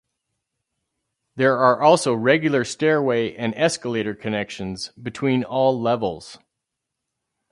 There are also regular stairway and escalator connections between all levels.